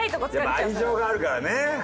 やっぱ愛情があるからね。